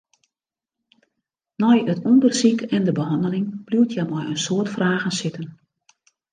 Nei it ûndersyk en de behanneling bliuwt hja mei in soad fragen sitten.